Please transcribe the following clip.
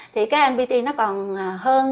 thì cái napt nó còn hơn